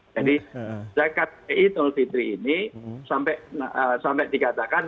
jadi zakat fitrah ini sampai dikatakan